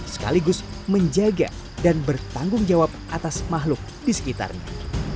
sekaligus menjaga dan bertanggung jawab atas makhluk di sekitarnya